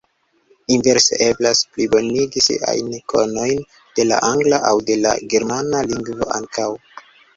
Inverse eblas plibonigi siajn konojn de la angla aŭ de la germana lingvo ankaŭ.